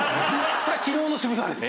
それは昨日の渋沢です。